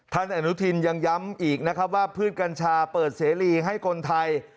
ท่านอนุทินยังย้ำอีกนะครับว่าพืชกัญชาเปิดเสรีให้คนไทย